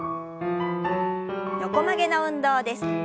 横曲げの運動です。